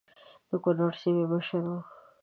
د کنړ د سیمې مشر وو.